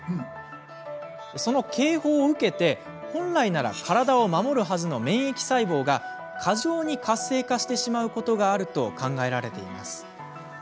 その警報を受けて、本来なら体を守るはずの免疫細胞が過剰に活性化してしまうことがあると考えられています。